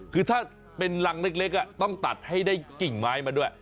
คือถ้าเป็นรังเล็กต้องตัดให้ได้กิ่งไม้มาด้วย